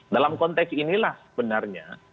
dalam konteks inilah sebenarnya